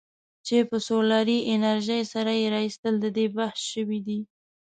چې په سولري انرژۍ سره یې رایستل د دې باعث شویدي.